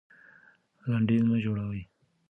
لنډيز مه جوړوه.